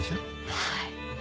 はい。